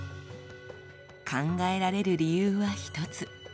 考えられる理由は一つ。